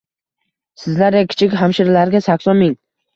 Sizlardek kichik hamshiralarga sakson ming